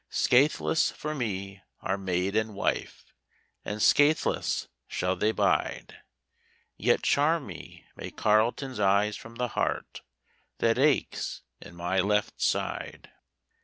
'Scathless for me are maid and wife, And scathless shall they bide. Yet charm me May Carleton's eyes from the heart That aches in my left side.'